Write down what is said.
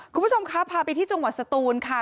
คุณผู้ชมครับพาไปที่จังหวัดสตูนค่ะ